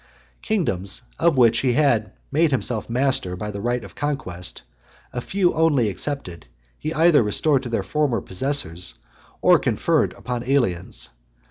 XLVIII. Kingdoms, of which he had made himself master by the right of conquest, a few only excepted, he either restored to their former possessors , or conferred upon aliens.